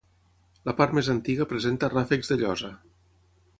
La part més antiga presenta ràfecs de llosa.